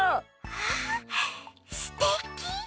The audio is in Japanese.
あすてき！